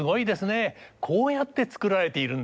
こうやって作られているんですね！